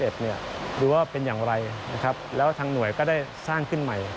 ดูว่าเป็นอย่างไรนะครับแล้วทางหน่วยก็ได้สร้างขึ้นใหม่